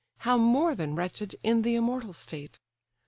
How more than wretched in the immortal state!